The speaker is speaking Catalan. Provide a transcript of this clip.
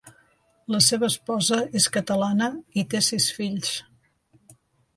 La seva esposa és catalana i té sis fills.